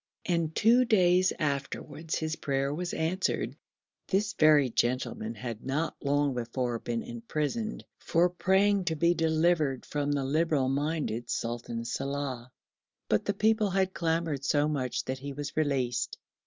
and two days afterwards his prayer was answered. This very gentleman had not long before been imprisoned for praying to be delivered from the liberal minded Sultan Salàh, but the people had clamoured so much that he was released.